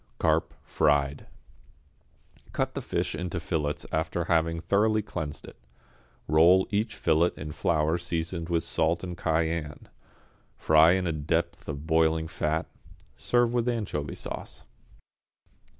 =Carp, Fried.= Cut the fish into fillets after having thoroughly cleansed it. Roll each fillet in flour seasoned with salt and cayenne. Fry in a depth of boiling fat, serve with anchovy sauce.